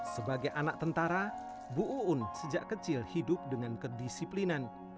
sebagai anak tentara bu uun sejak kecil hidup dengan kedisiplinan